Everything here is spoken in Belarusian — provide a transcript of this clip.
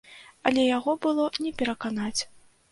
Але яго было не пераканаць.